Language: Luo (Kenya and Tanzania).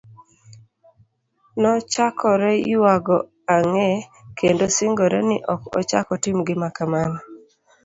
Nochakore yuago ang'e, kendo singore, ni ok ochak otim gima kamano.